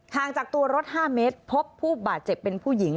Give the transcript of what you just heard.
งจากตัวรถ๕เมตรพบผู้บาดเจ็บเป็นผู้หญิง